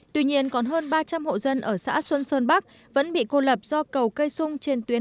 tuy nhiên còn hơn ba trăm linh hộ dân ở xã xuân sơn bắc vẫn bị cô lập do cầu cây xung trên tuyến